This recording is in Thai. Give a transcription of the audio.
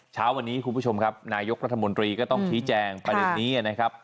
เช้าวันนี้คุณผู้ชมครับนายกรัฐมนตรีก็ต้องชี้แจงประเด็นนี้นะครับ